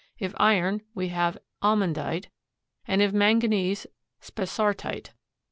If iron, we have almandite, and if manganese, spessartite.